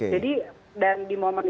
jadi di momen itu